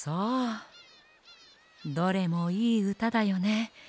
どれもいいうただよね。